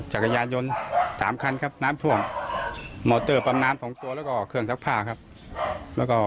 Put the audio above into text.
หมดแต่ของไอ้บ้านมีเหลือน้ำท่วมทิ้ง